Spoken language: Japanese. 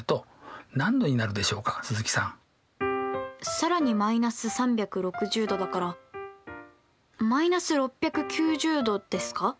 更に−３６０°だから−６９０°ですか？